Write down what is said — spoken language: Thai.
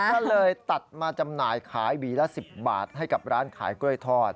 ก็เลยตัดมาจำหน่ายขายหวีละ๑๐บาทให้กับร้านขายกล้วยทอด